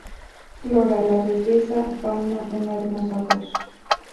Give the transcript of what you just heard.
Flora, la belleza; Fauna, una hermosa voz.